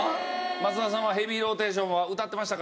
松田さんは『ヘビーローテーション』は歌ってましたか？